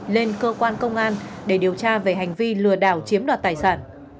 lên cơ quan công an để điều tra về hành vi lừa đảo chiếm đoạt tài sản